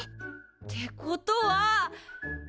ってことは！